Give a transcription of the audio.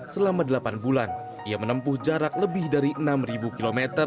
selama delapan bulan ia menempuh jarak lebih dari enam km